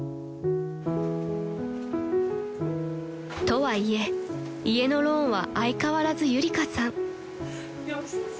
［とはいえ家のローンは相変わらずゆりかさん］